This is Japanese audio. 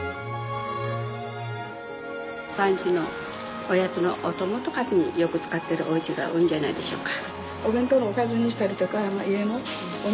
３時のおやつのお供とかによく使ってるおうちが多いんじゃないでしょうか。